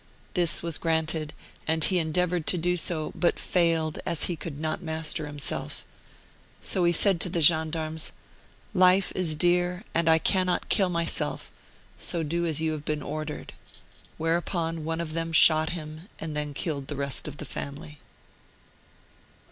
This was granted, and he endeavoured to do so, but failed, as he could not master himself. So he said to the gendarmes, "Life is dear and I cannot kill myself, so do as you have been ordered," where upon one of them shot him and then killed the rest of the family.